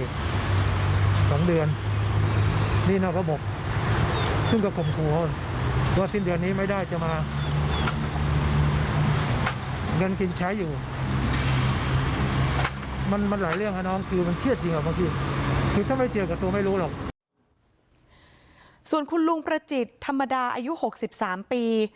ถึงจะไปเจอกับตัวไม่รู้หรอกส่วนคุณลุงประจิตธรรมดาอายุหกสิบสามปี